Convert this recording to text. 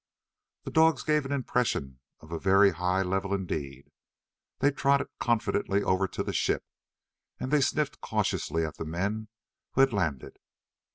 The dogs gave an impression of a very high level indeed. They trotted confidently over to the ship, and they sniffed cautiously at the men who had landed.